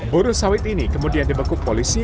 buru sawit ini kemudian dibekuk polisi